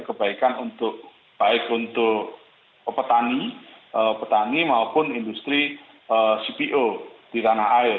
kebaikan untuk baik untuk petani petani maupun industri cpo di tanah air